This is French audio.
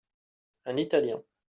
Un Italien.